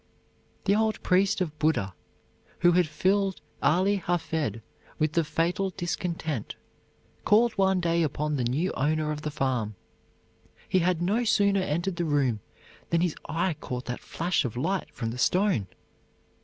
The old priest of Buddha who had filled Ali Hafed with the fatal discontent called one day upon the new owner of the farm. He had no sooner entered the room than his eye caught that flash of light from the stone.